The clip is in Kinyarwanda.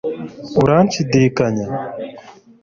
uranshidikanya